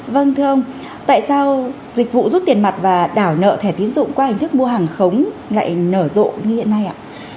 vâng thưa ông tại sao dịch vụ rút tiền mặt và đảo nợ thẻ tiến dụng qua hình thức mua hàng khống lại nở rộ như hiện nay ạ